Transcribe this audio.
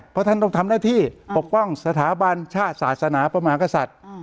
เพราะท่านต้องทำหน้าที่ปกป้องสถาบันชาติศาสนาพระมหากษัตริย์